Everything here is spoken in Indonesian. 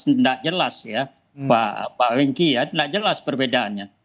tidak jelas ya pak wingky ya tidak jelas perbedaannya